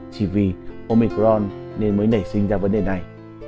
chỉ vì omicron nên mới nảy sinh ra vấn đề này